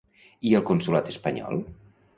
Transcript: I el consolat espanyol?